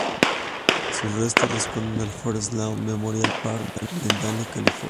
Sus restos reposan el Forest Lawn Memorial Park de Glendale, California.